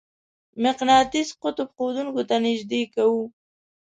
مقناطیس قطب ښودونکې ته نژدې کوو.